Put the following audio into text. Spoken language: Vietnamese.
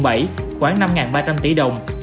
khoảng năm ba trăm linh tỷ đồng